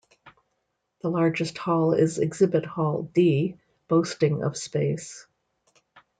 The largest hall is Exhibit Hall D, boasting of space.